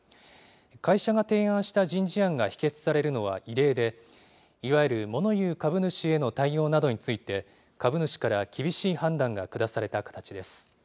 会社が提案した人事案が否決されるのは異例で、いわゆる物言う株主への対応などについて、株主から厳しい判断が下された形です。